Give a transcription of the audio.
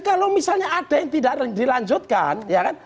kalau misalnya ada yang tidak dilanjutkan